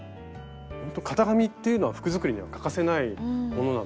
型紙っていうのは服作りには欠かせないものなので。